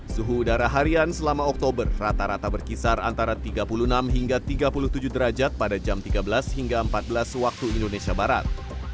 suhu udara harian selama oktober rata rata berkisar antara tiga puluh enam hingga tiga puluh tujuh derajat pada jam tiga belas hingga empat belas waktu indonesia barat